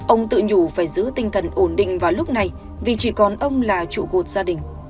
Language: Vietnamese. ông tự nhủ phải giữ tinh thần ổn định vào lúc này vì chỉ còn ông là trụ cột gia đình